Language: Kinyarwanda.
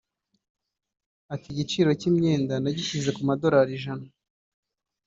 Ati “Igiciro cy’imyenda nagishyize ku madolari ijana